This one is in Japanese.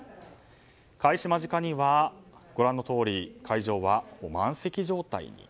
開始間近にはご覧のとおり会場は満席状態に。